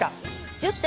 １０点！